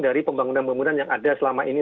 dari pembangunan pembangunan yang ada selama ini